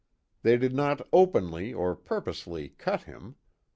They did not openly or purposely cut him.